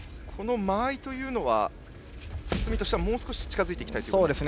間合いというのは角としてはもう少し近づいていきたいということですか。